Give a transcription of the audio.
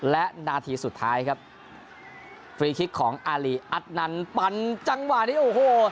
และนาทีสุดท้ายครับฟรีคลิกของอารีอัตนันปันจังหวะนี้โอ้โห